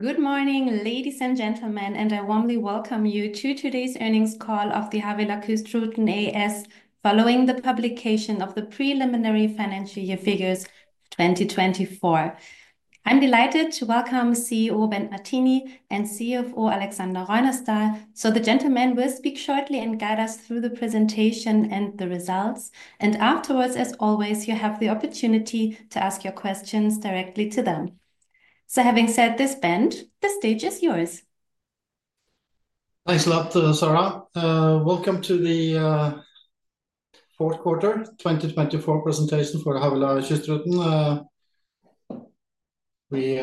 Good morning, ladies and gentlemen, and I warmly welcome you to today's earnings call of Havila Kystruten AS following the publication of the preliminary financial year figures for 2024. I'm delighted to welcome CEO Bent Martini and CFO Aleksander Røynesdal. The gentlemen will speak shortly and guide us through the presentation and the results. Afterwards, as always, you have the opportunity to ask your questions directly to them. Having said this, Bent, the stage is yours. Thanks a lot, Sara. Welcome to the fourth quarter 2024 presentation for Havila Kystruten. We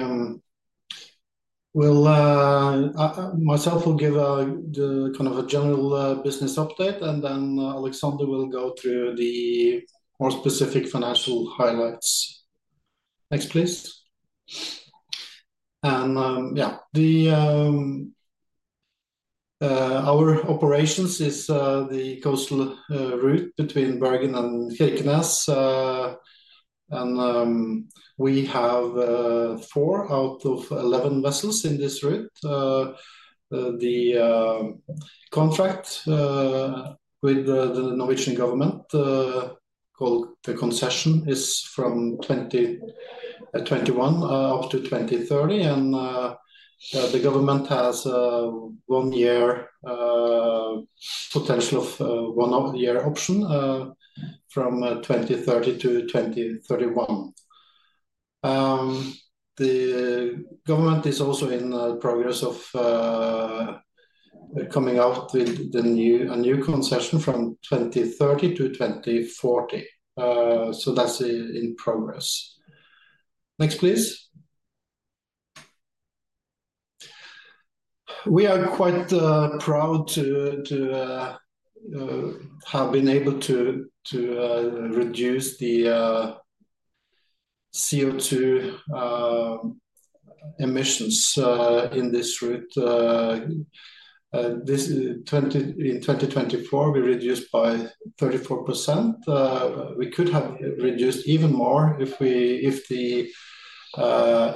will, myself, will give the kind of a general business update, and then Aleksander will go through the more specific financial highlights. Next, please. Yeah, our operations is the coastal route between Bergen and Kirkenes, and we have four out of 11 vessels in this route. The contract with the Norwegian government called the concession is from 2021 up to 2030, and the government has a one-year potential of one-year option from 2030-2031. The government is also in progress of coming out with a new concession from 2030-2040. That is in progress. Next, please. We are quite proud to have been able to reduce the CO2 emissions in this route. In 2024, we reduced by 34%. We could have reduced even more if the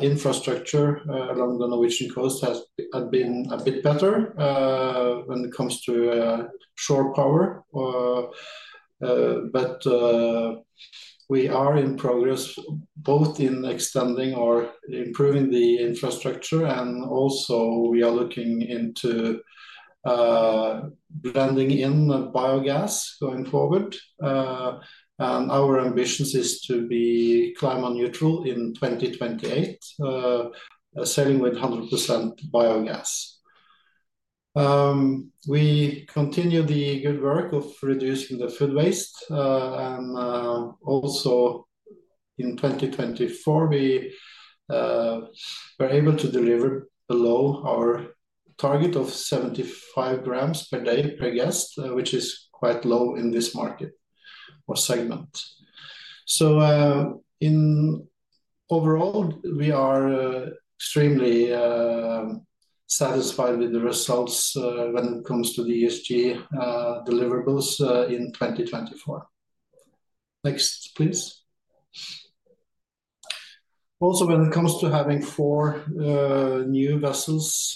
infrastructure along the Norwegian coast had been a bit better when it comes to shore power. We are in progress both in extending or improving the infrastructure, and also we are looking into blending in biogas going forward. Our ambition is to be climate neutral in 2028, sailing with 100% biogas. We continue the good work of reducing the food waste. In 2024, we were able to deliver below our target of 75g per day per guest, which is quite low in this market or segment. Overall, we are extremely satisfied with the results when it comes to the ESG deliverables in 2024. Next, please. Also, when it comes to having four new vessels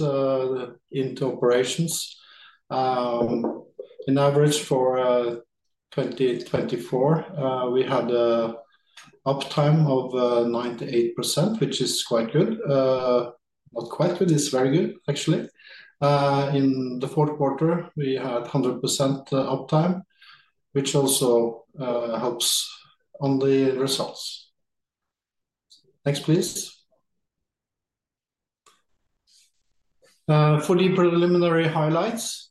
into operations, in average for 2024, we had an uptime of 98%, which is quite good. Not quite good, it's very good, actually. In the fourth quarter, we had 100% uptime, which also helps on the results. Next, please. For the preliminary highlights,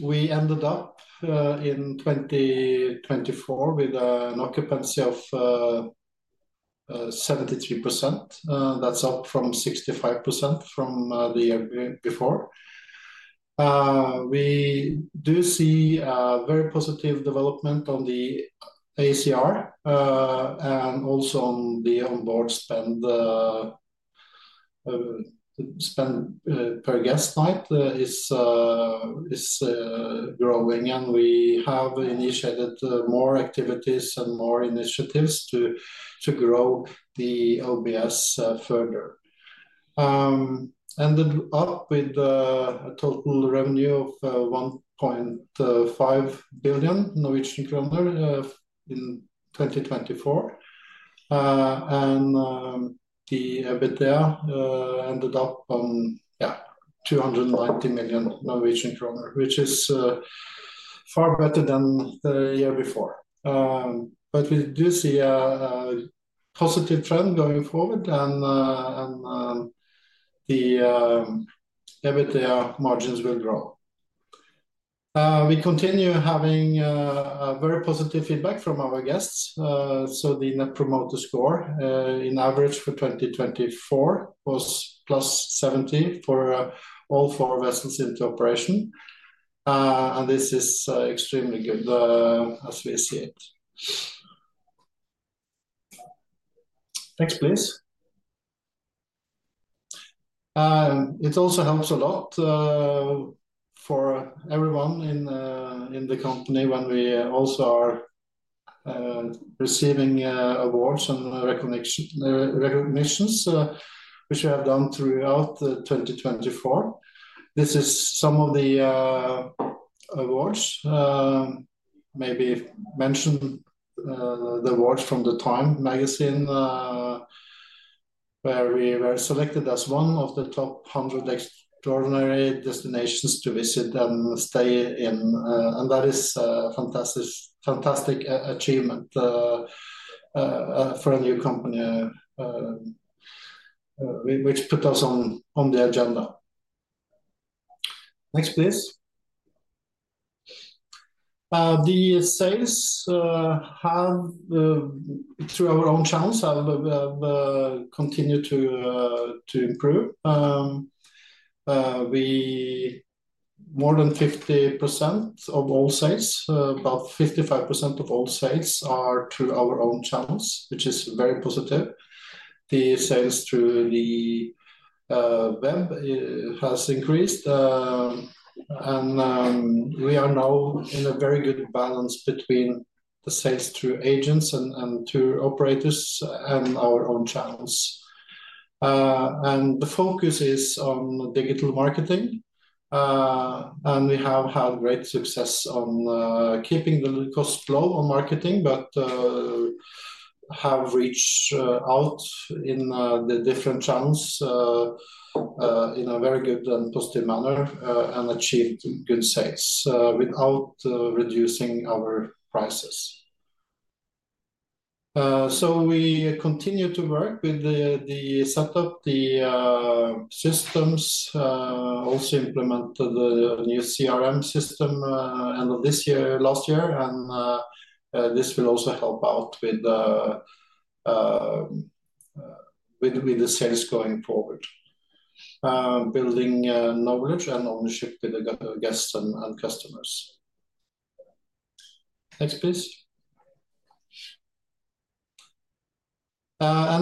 we ended up in 2024 with an occupancy of 73%. That's up from 65% from the year before. We do see a very positive development on the ACR and also on the onboard spend per guest night is growing, and we have initiated more activities and more initiatives to grow the OBS further. Ended up with a total revenue of 1.5 billion Norwegian kroner in 2024. The EBITDA ended up on, yeah, 290 million Norwegian kroner, which is far better than the year before. We do see a positive trend going forward, and the EBITDA margins will grow. We continue having very positive feedback from our guests. The Net Promoter Score in average for 2024 was plus 70 for all four vessels into operation. This is extremely good as we see it. Next, please. It also helps a lot for everyone in the company when we also are receiving awards and recognitions, which we have done throughout 2024. This is some of the awards. Maybe mention the awards from the Time magazine, where we were selected as one of the top 100 extraordinary destinations to visit and stay in. That is a fantastic achievement for a new company, which put us on the agenda. Next, please. The sales through our own channels have continued to improve. More than 50% of all sales, about 55% of all sales are through our own channels, which is very positive. The sales through the web have increased, and we are now in a very good balance between the sales through agents and through operators and our own channels. The focus is on digital marketing. We have had great success on keeping the cost low on marketing, but have reached out in the different channels in a very good and positive manner and achieved good sales without reducing our prices. We continue to work with the setup, the systems, also implemented the new CRM system end of this year, last year. This will also help out with the sales going forward, building knowledge and ownership with the guests and customers. Next, please.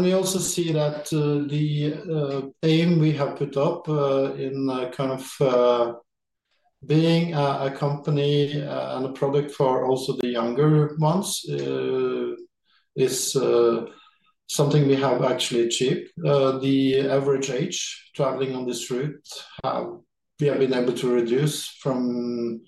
We also see that the aim we have put up in kind of being a company and a product for also the younger ones is something we have actually achieved. The average age traveling on this route, we have been able to reduce from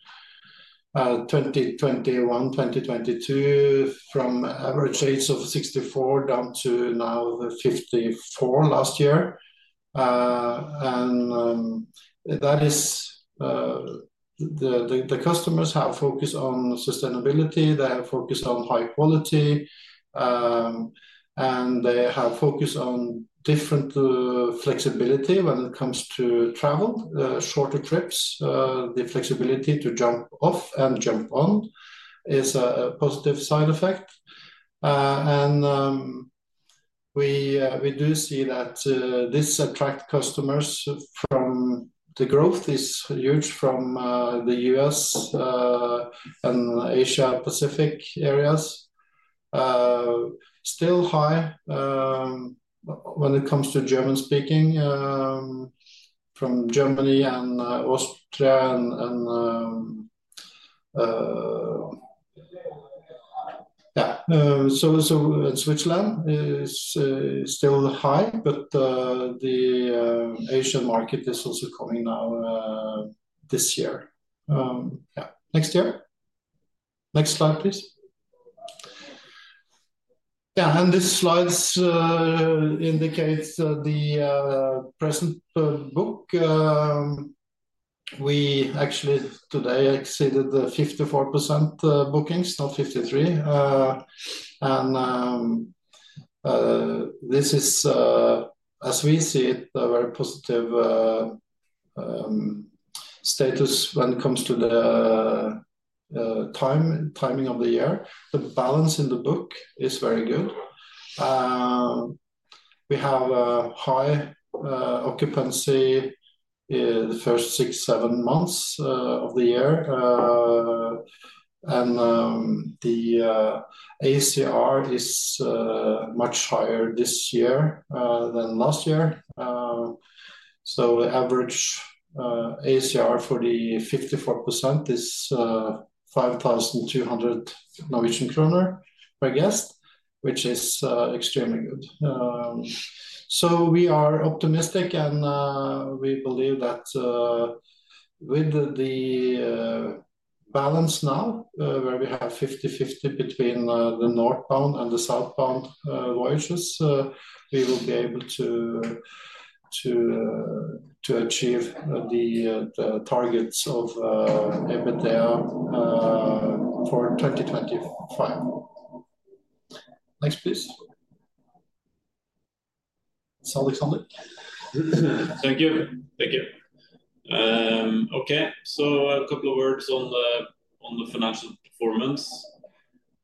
2021, 2022, from average age of 64 down to now 54 last year. That is the customers have focused on sustainability. They have focused on high quality, and they have focused on different flexibility when it comes to travel, shorter trips. The flexibility to jump off and jump on is a positive side effect. We do see that this attracts customers from the growth is huge from the U.S. and Asia-Pacific areas. Still high when it comes to German-speaking from Germany and Austria. Yeah, so Switzerland is still high, but the Asian market is also coming now this year. Yeah. Next year. Next slide, please. Yeah. This slide indicates the present book. We actually today exceeded the 54% bookings, not 53%. This is, as we see it, a very positive status when it comes to the timing of the year. The balance in the book is very good. We have a high occupancy in the first six, seven months of the year. The ACR is much higher this year than last year. The average ACR for the 54% is 5,200 Norwegian kroner per guest, which is extremely good. We are optimistic, and we believe that with the balance now, where we have 50-50 between the northbound and the southbound voyages, we will be able to achieve the targets of EBITDA for 2025. Next, please. Thanks, Aleksander. Thank you. Thank you. Okay. A couple of words on the financial performance.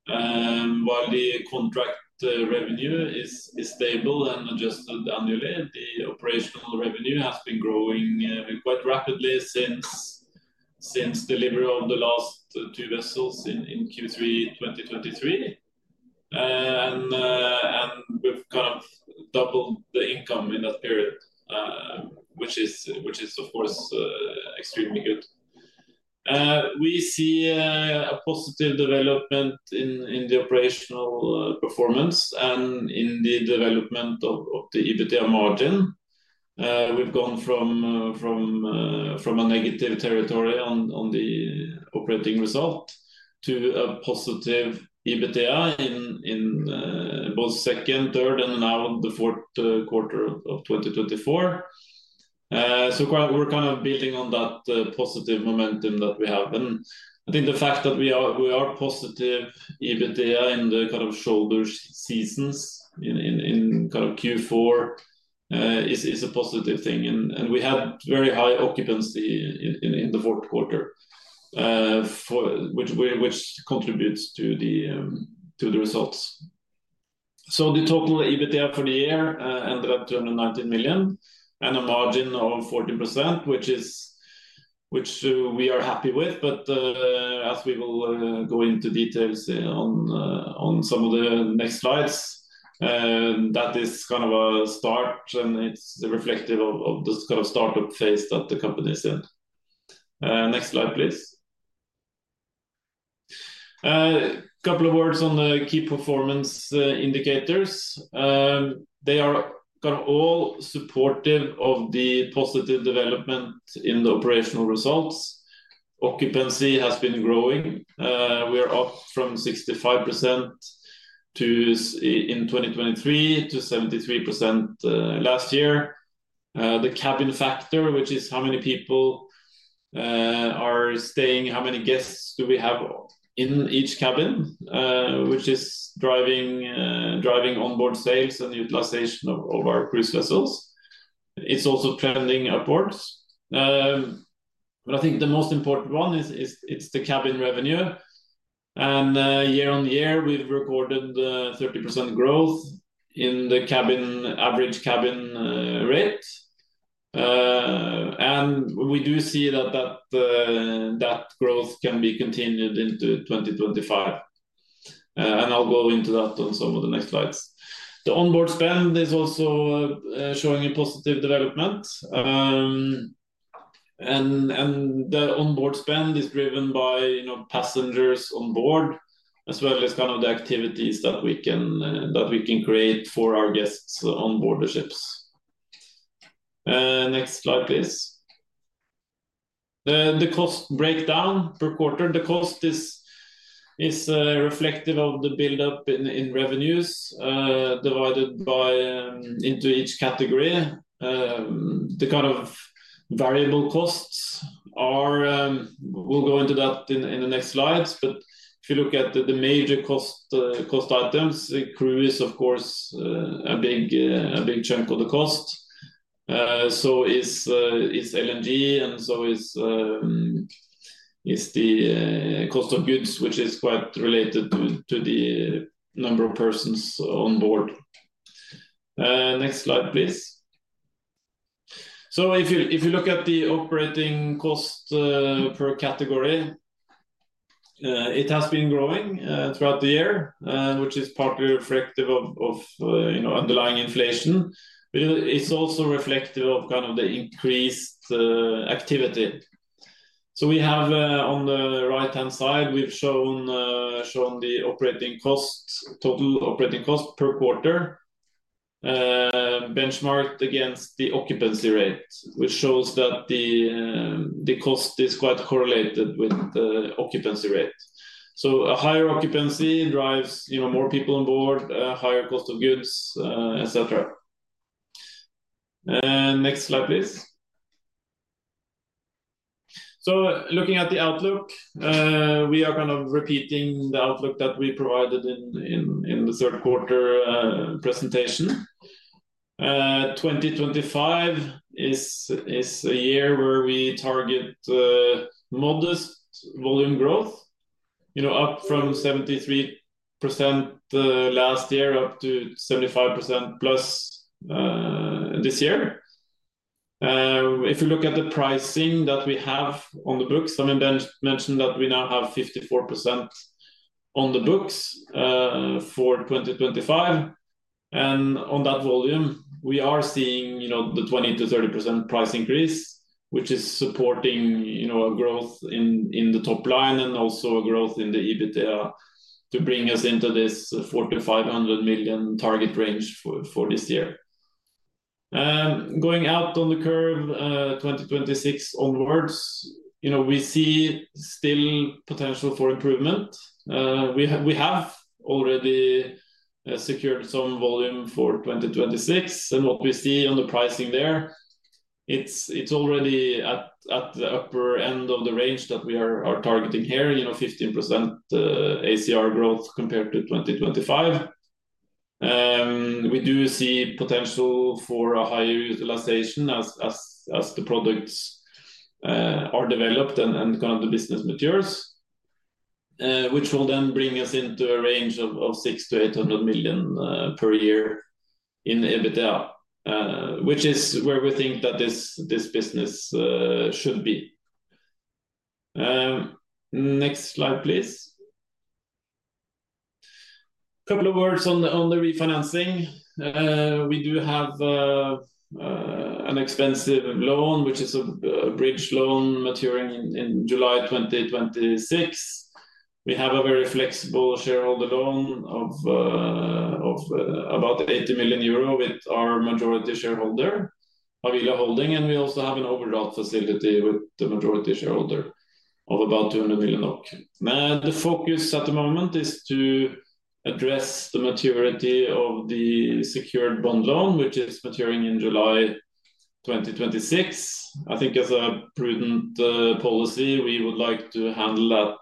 While the contract revenue is stable and adjusted annually, the operational revenue has been growing quite rapidly since delivery of the last two vessels in Q3 2023. We have kind of doubled the income in that period, which is, of course, extremely good. We see a positive development in the operational performance and in the development of the EBITDA margin. We have gone from a negative territory on the operating result to a positive EBITDA in both second, third, and now the fourth quarter of 2024. We are kind of building on that positive momentum that we have. I think the fact that we are positive EBITDA in the kind of shoulder seasons in kind of Q4 is a positive thing. We had very high occupancy in the fourth quarter, which contributes to the results. The total EBITDA for the year ended up to 190 million and a margin of 40%, which we are happy with. As we will go into details on some of the next slides, that is kind of a start, and it is reflective of the kind of startup phase that the company is in. Next slide, please. A couple of words on the key performance indicators. They are kind of all supportive of the positive development in the operational results. Occupancy has been growing. We are up from 65% in 2023 to 73% last year. The cabin factor, which is how many people are staying, how many guests do we have in each cabin, which is driving onboard sales and utilization of our cruise vessels, is also trending upwards. I think the most important one is the cabin revenue. Year on year, we've recorded 30% growth in the average cabin rate. We do see that that growth can be continued into 2025. I'll go into that on some of the next slides. The onboard spend is also showing a positive development. The onboard spend is driven by passengers on board, as well as kind of the activities that we can create for our guests onboard the ships. Next slide, please. The cost breakdown per quarter. The cost is reflective of the buildup in revenues divided into each category. The kind of variable costs will go into that in the next slides. If you look at the major cost items, the cruise is, of course, a big chunk of the cost. So is LNG, and so is the cost of goods, which is quite related to the number of persons on board. Next slide, please. If you look at the operating cost per category, it has been growing throughout the year, which is partly reflective of underlying inflation. It is also reflective of kind of the increased activity. We have on the right-hand side, we have shown the total operating cost per quarter benchmarked against the occupancy rate, which shows that the cost is quite correlated with the occupancy rate. A higher occupancy drives more people on board, a higher cost of goods, etc. Next slide, please. Looking at the outlook, we are kind of repeating the outlook that we provided in the third quarter presentation. 2025 is a year where we target modest volume growth, up from 73% last year up to 75% plus this year. If you look at the pricing that we have on the books, I mean, mentioned that we now have 54% on the books for 2025. On that volume, we are seeing the 20%-30% price increase, which is supporting growth in the top line and also growth in the EBITDA to bring us into this 400 million-500 million target range for this year. Going out on the curve 2026 onwards, we see still potential for improvement. We have already secured some volume for 2026. What we see on the pricing there, it is already at the upper end of the range that we are targeting here, 15% ACR growth compared to 2025. We do see potential for a higher utilization as the products are developed and kind of the business matures, which will then bring us into a range of 600 million-800 million per year in EBITDA, which is where we think that this business should be. Next slide, please. A couple of words on the refinancing. We do have an expensive loan, which is a bridge loan maturing in July 2026. We have a very flexible shareholder loan of about 80 million euro with our majority shareholder, Havila Holding. We also have an overdraft facility with the majority shareholder of about 200 million. The focus at the moment is to address the maturity of the secured bond loan, which is maturing in July 2026. I think as a prudent policy, we would like to handle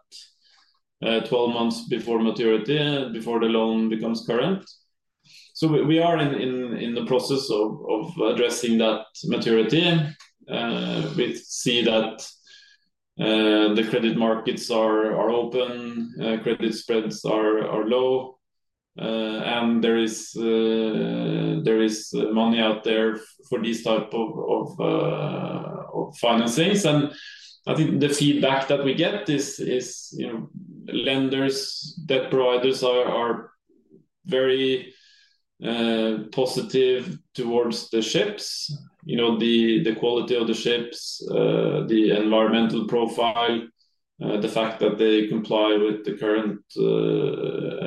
that 12 months before maturity, before the loan becomes current. We are in the process of addressing that maturity. We see that the credit markets are open, credit spreads are low, and there is money out there for these types of financings. I think the feedback that we get is lenders, debt providers are very positive towards the ships, the quality of the ships, the environmental profile, the fact that they comply with the current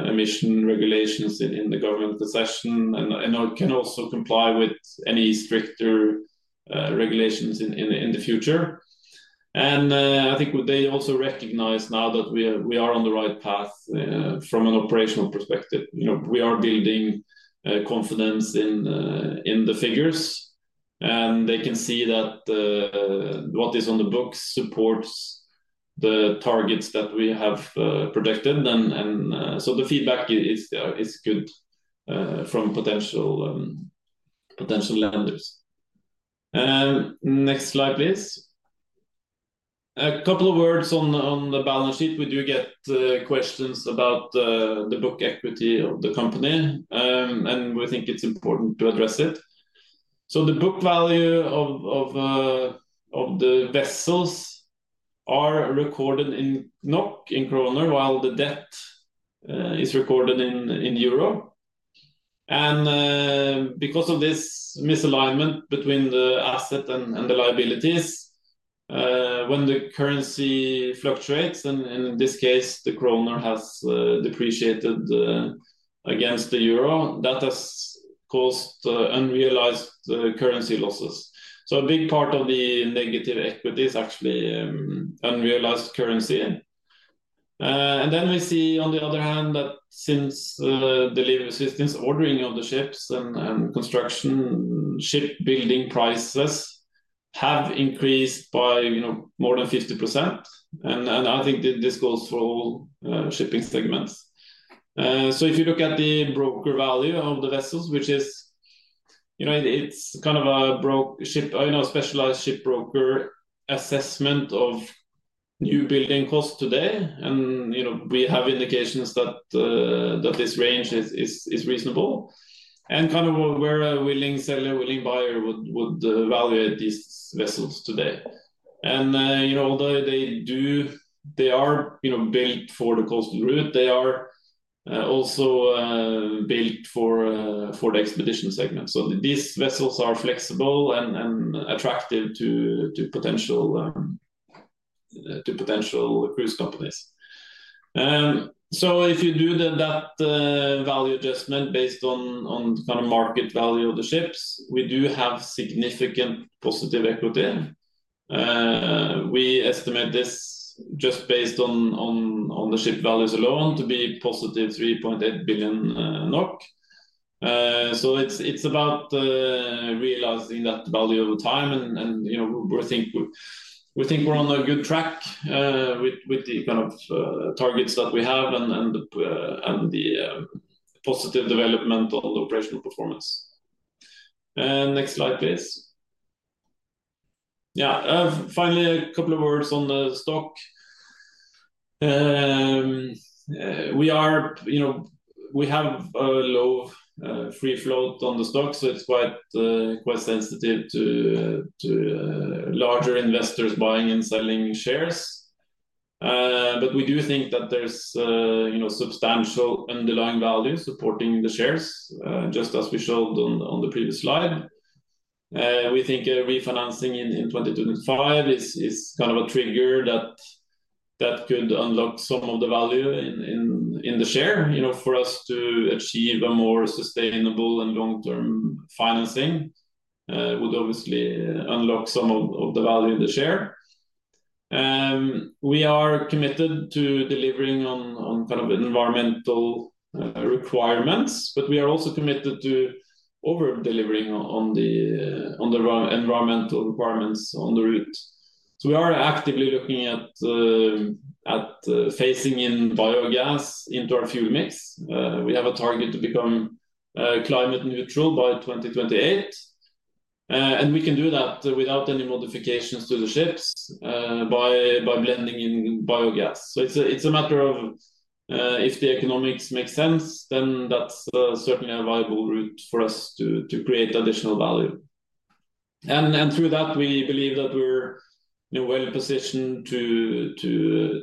emission regulations in the government concession, and can also comply with any stricter regulations in the future. I think they also recognize now that we are on the right path from an operational perspective. We are building confidence in the figures. They can see that what is on the books supports the targets that we have projected. The feedback is good from potential lenders. Next slide, please. A couple of words on the balance sheet. We do get questions about the book equity of the company, and we think it's important to address it. The book value of the vessels are recorded in NOK in kroner, while the debt is recorded in euro. Because of this misalignment between the asset and the liabilities, when the currency fluctuates, and in this case, the kroner has depreciated against the euro, that has caused unrealized currency losses. A big part of the negative equity is actually unrealized currency. We see, on the other hand, that since the legal system's ordering of the ships and construction, shipbuilding prices have increased by more than 50%. I think this goes for all shipping segments. If you look at the broker value of the vessels, which is kind of a specialized ship broker assessment of new building costs today, we have indications that this range is reasonable, and kind of where a willing seller, willing buyer would evaluate these vessels today. Although they are built for the coastal route, they are also built for the expedition segment. These vessels are flexible and attractive to potential cruise companies. If you do that value adjustment based on kind of market value of the ships, we do have significant positive equity. We estimate this just based on the ship values alone to be positive 3.8 billion NOK. It is about realizing that value over time, and we think we are on a good track with the kind of targets that we have and the positive development of the operational performance. Next slide, please. Yeah. Finally, a couple of words on the stock. We have a low free float on the stock, so it is quite sensitive to larger investors buying and selling shares. We do think that there is substantial underlying value supporting the shares, just as we showed on the previous slide. We think refinancing in 2025 is kind of a trigger that could unlock some of the value in the share. For us to achieve a more sustainable and long-term financing would obviously unlock some of the value in the share. We are committed to delivering on kind of environmental requirements, but we are also committed to over-delivering on the environmental requirements on the route. We are actively looking at phasing in biogas into our fuel mix. We have a target to become climate neutral by 2028. We can do that without any modifications to the ships by blending in biogas. It is a matter of if the economics make sense, then that is certainly a viable route for us to create additional value. Through that, we believe that we are well positioned to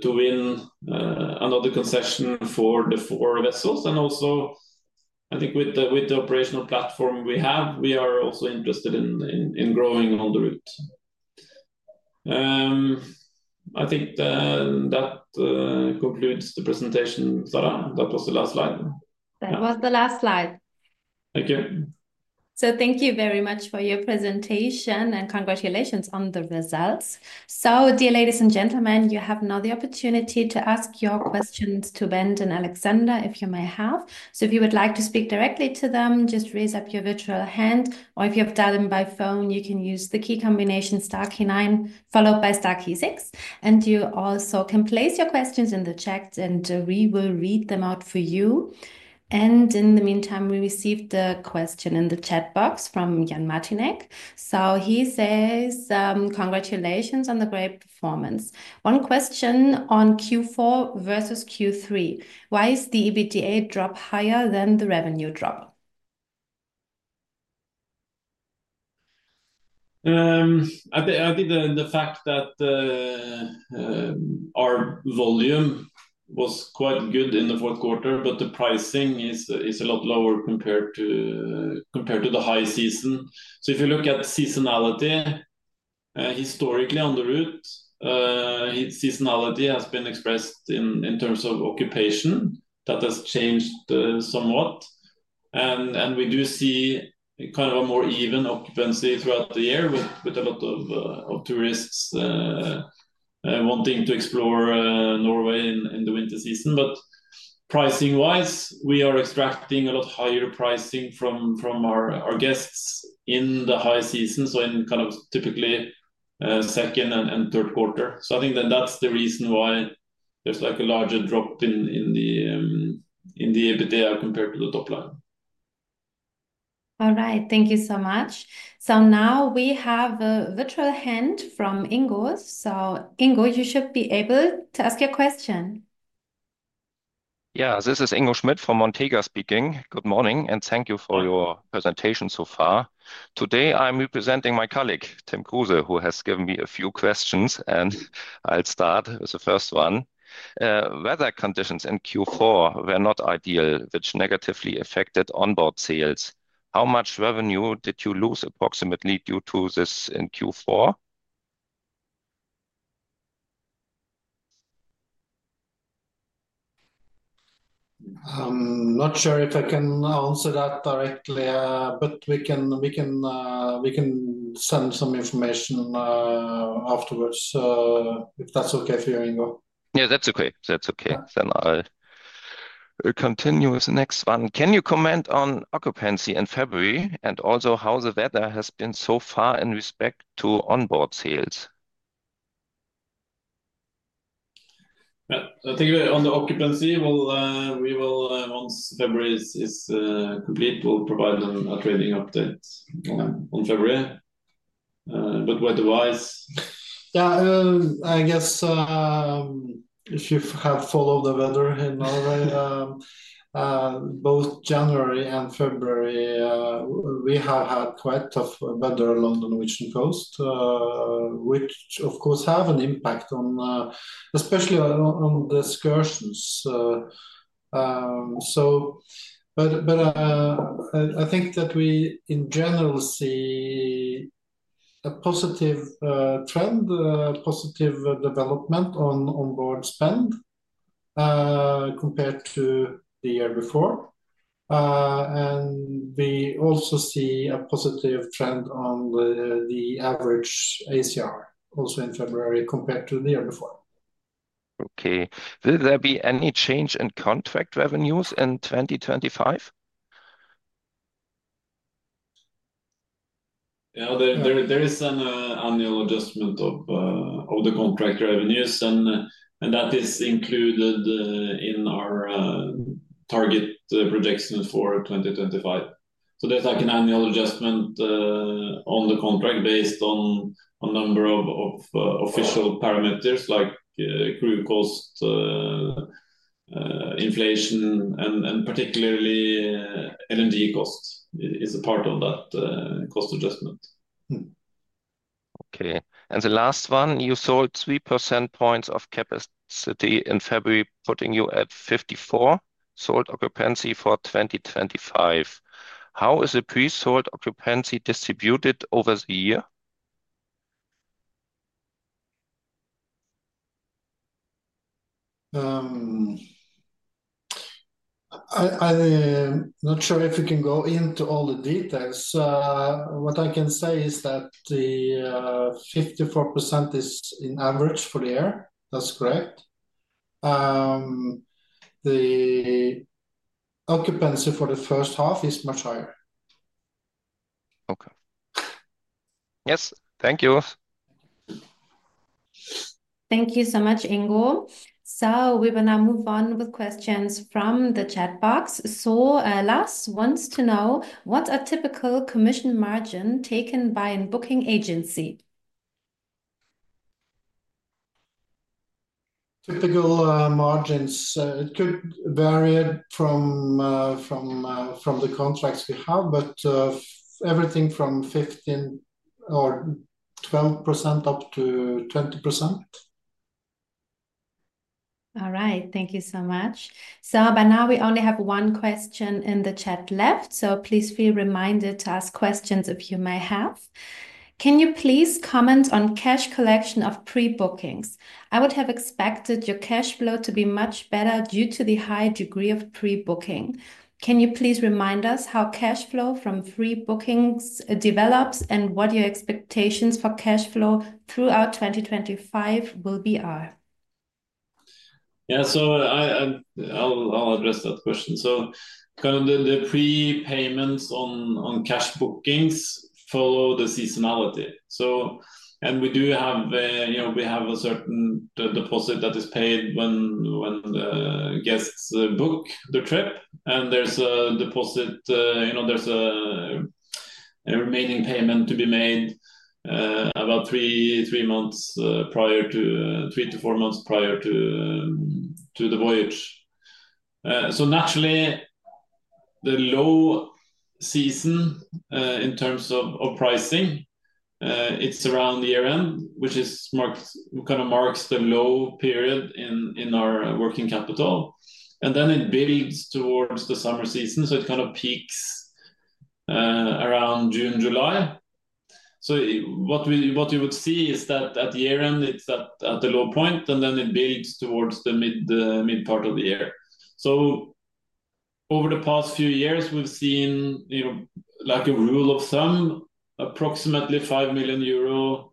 win another concession for the four vessels. I think with the operational platform we have, we are also interested in growing on the route. I think that concludes the presentation. Sara, that was the last slide. That was the last slide. Thank you. Thank you very much for your presentation and congratulations on the results. Dear ladies and gentlemen, you now have the opportunity to ask your questions to Bent and Aleksander if you may have. If you would like to speak directly to them, just raise your virtual hand. If you have joined by phone, you can use the key combination star key nine followed by star key six. You also can place your questions in the chat, and we will read them out for you. In the meantime, we received a question in the chat box from Jan Martinek. He says, "Congratulations on the great performance. One question on Q4 versus Q3. Why is the EBITDA drop higher than the revenue drop? I think the fact that our volume was quite good in the fourth quarter, but the pricing is a lot lower compared to the high season. If you look at seasonality historically on the route, seasonality has been expressed in terms of occupation. That has changed somewhat. We do see kind of a more even occupancy throughout the year with a lot of tourists wanting to explore Norway in the winter season. Pricing-wise, we are extracting a lot higher pricing from our guests in the high season, typically second and third quarter. I think that is the reason why there is a larger drop in the EBITDA compared to the top line. All right. Thank you so much. Now we have a virtual hand from Ingo. Ingo, you should be able to ask your question. Yes, this is Ingo Schmidt from Montega speaking. Good morning, and thank you for your presentation so far. Today, I'm representing my colleague, Tim Kruse, who has given me a few questions, and I'll start with the first one. Weather conditions in Q4 were not ideal, which negatively affected onboard sales. How much revenue did you lose approximately due to this in Q4? I'm not sure if I can answer that directly, but we can send some information afterwards if that's okay for you, Ingo. Yeah, that's okay. That's okay. I'll continue with the next one. Can you comment on occupancy in February and also how the weather has been so far in respect to onboard sales? I think on the occupancy, once February is complete, we'll provide a trading update on February. But what device? Yeah, I guess if you have followed the weather in Norway, both January and February, we have had quite tough weather along the Norwegian coast, which, of course, have an impact especially on the excursions. I think that we, in general, see a positive trend, positive development on onboard spend compared to the year before. We also see a positive trend on the average ACR also in February compared to the year before. Okay. Will there be any change in contract revenues in 2025? There is an annual adjustment of the contract revenues, and that is included in our target projection for 2025. There is an annual adjustment on the contract based on a number of official parameters like crew cost, inflation, and particularly LNG costs is a part of that cost adjustment. Okay. The last one, you sold 3% points of capacity in February, putting you at 54% sold occupancy for 2025. How is the pre-sold occupancy distributed over the year? I'm not sure if we can go into all the details. What I can say is that the 54% is in average for the year. That's correct. The occupancy for the first half is much higher. Okay. Yes. Thank you. Thank you so much, Ingo. We are going to move on with questions from the chat box. Last wants to know, what's a typical commission margin taken by a booking agency? Typical margins, it could vary from the contracts we have, but everything from 15% or 12% up to 20%. All right. Thank you so much. By now, we only have one question in the chat left, so please feel reminded to ask questions if you may have. Can you please comment on cash collection of pre-bookings? I would have expected your cash flow to be much better due to the high degree of pre-booking. Can you please remind us how cash flow from pre-bookings develops and what your expectations for cash flow throughout 2025 will be? Yeah, I'll address that question. Kind of the pre-payments on cash bookings follow the seasonality. We do have a certain deposit that is paid when guests book the trip, and there's a deposit, there's a remaining payment to be made about three months prior to three to four months prior to the voyage. Naturally, the low season in terms of pricing, it's around year-end, which kind of marks the low period in our working capital. It builds towards the summer season, so it kind of peaks around June-July. What you would see is that at year-end, it's at the low point, and then it builds towards the mid part of the year. Over the past few years, we've seen, like a rule of thumb, approximately 5 million euro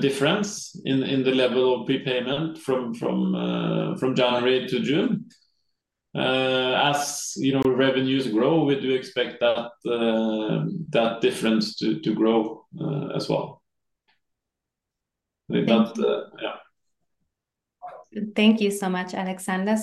difference in the level of prepayment from January to June. As revenues grow, we do expect that difference to grow as well. Yeah. Thank you so much, Alexander.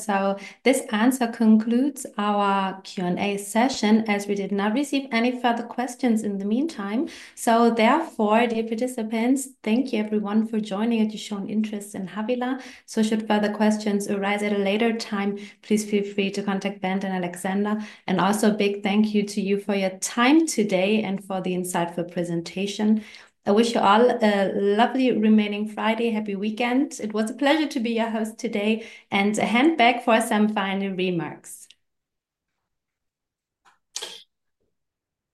This answer concludes our Q&A session as we did not receive any further questions in the meantime. Therefore, dear participants, thank you everyone for joining and you showing interest in Havila. Should further questions arise at a later time, please feel free to contact Bent and Aleksander. Also, a big thank you to you for your time today and for the insightful presentation. I wish you all a lovely remaining Friday. Happy weekend. It was a pleasure to be your host today. I hand back for some final remarks.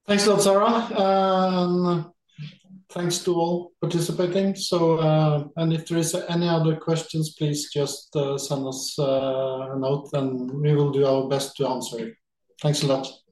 Thanks a lot, Sara. Thanks to all participating. If there are any other questions, please just send us a note, and we will do our best to answer it. Thanks a lot.